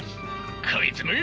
こいつめ！